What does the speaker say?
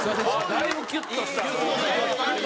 だいぶキュッとした。